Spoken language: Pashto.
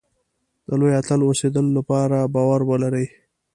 د لوی اتل اوسېدلو لپاره باور ولرئ.